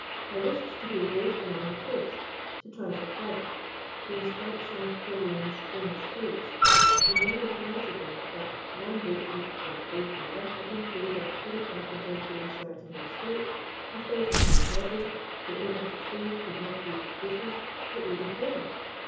I wished to be rowed along the coast; to try for pollack; to inspect some of Polreen's famous caves. The men were polite again; but one boat leaked badly, another had been pulled up for the carpenter to insert a new strake, a third was too heavy, the owner of a fourth could not leave his business it wouldn't pay him!